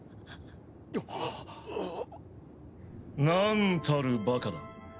なんたるバカだ。